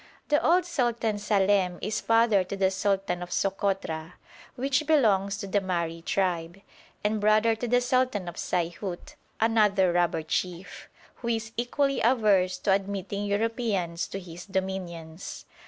The old Sultan Salem is father to the sultan of Sokotra, which belongs to the Mahri tribe, and brother to the sultan of Saihut, another robber chief, who is equally averse to admitting Europeans to his dominions.